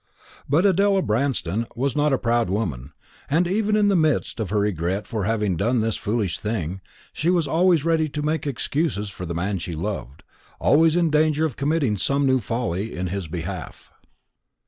But Adela Branston was not a proud woman; and even in the midst of her regret for having done this foolish thing, she was always ready to make excuses for the man she loved, always in danger of committing some new folly in his behalf.